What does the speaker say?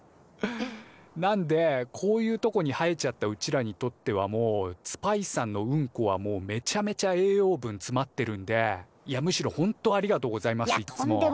なんでこういうとこに生えちゃったうちらにとってはもうツパイさんのウンコはもうめちゃめちゃ栄養分つまってるんでいやむしろほんとありがとうございますいつも。